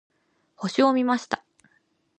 星を見ました。